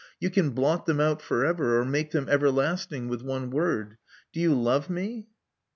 Yon can blot them out for ever, or make them ever lasting with one word. Do you love me?"